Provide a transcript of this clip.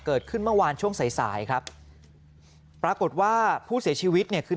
เกิดขึ้นเมื่อวานช่วงสายสายครับปรากฏว่าผู้เสียชีวิตเนี่ยคือ